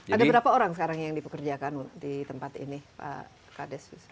ada berapa orang sekarang yang dipekerjakan di tempat ini pak kades